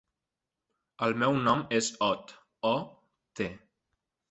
El meu nom és Ot: o, te.